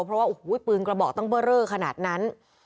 เพราะว่าโอ้โหปืนกระบอกต้องเบอร์เรอขนาดนั้น